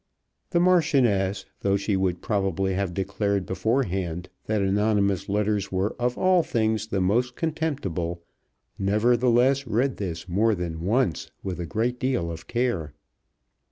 The Marchioness, though she would probably have declared beforehand that anonymous letters were of all things the most contemptible, nevertheless read this more than once with a great deal of care.